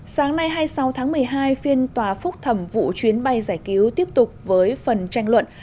sáng nay hai mươi sáu tháng một mươi hai phiên tòa phúc thẩm vụ chuyến bay giải cứu tiếp tục với phần tranh luận